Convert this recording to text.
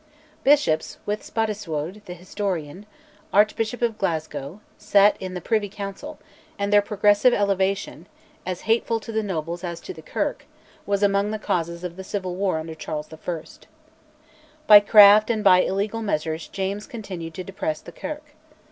Bishops, with Spottiswoode, the historian, Archbishop of Glasgow, sat in the Privy Council, and their progressive elevation, as hateful to the nobles as to the Kirk, was among the causes of the civil war under Charles I. By craft and by illegal measures James continued to depress the Kirk.